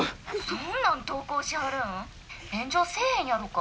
「そんなん投稿しはるん？